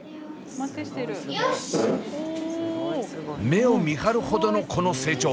目をみはるほどのこの成長。